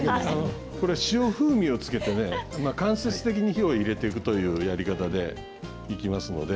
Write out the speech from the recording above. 塩風味を付けて間接的に火を入れていくというやり方です。